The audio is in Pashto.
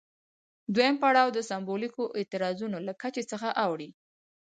دویم پړاو د سمبولیکو اعتراضونو له کچې څخه اوړي.